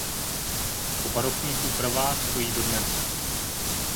Po barokních úpravách stojí dodnes.